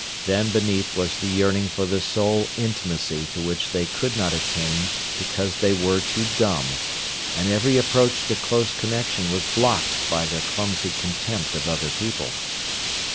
Then beneath was the yearning for the soul intimacy to which they could not attain because they were too dumb, and every approach to close connection was blocked by their clumsy contempt of other people.